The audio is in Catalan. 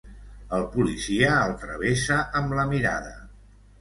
El policia el travessa amb la mirada.